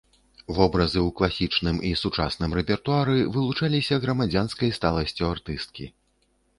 Вобразы ў класічным і сучасным рэпертуары вылучаліся грамадзянскай сталасцю артысткі.